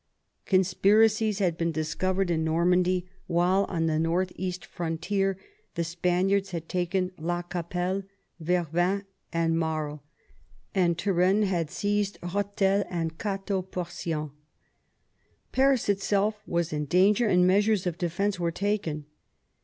Conspiracies had been discovered in Normandy, while on the north east frontier the Spaniards had taken La Capelle, Vervins, and Marie, and Turenne had seized Rethel and Ch^teau Porcien. Paris itself was in danger, and measures of defence were taken.